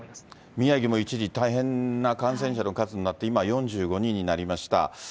宮城も一時、大変な感染者の数になって、今は４５人になりました。